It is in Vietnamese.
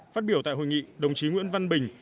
phát biểu tại hội nghị đồng chí nguyễn văn bình